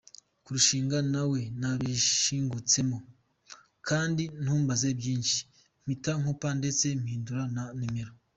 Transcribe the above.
kurushingana nawe nabishingutsemo, kandi ntumbaze byinshi !” mpita nkupa ndetse mpindura na numero.